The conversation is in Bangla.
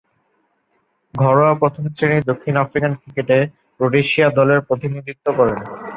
ঘরোয়া প্রথম-শ্রেণীর দক্ষিণ আফ্রিকান ক্রিকেটে রোডেশিয়া দলের প্রতিনিধিত্ব করেন।